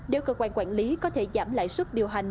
nếu cơ quan quản lý có thể giảm lãi suất điều hành